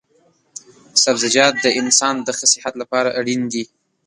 سبزيجات د انسان د ښه صحت لپاره اړين دي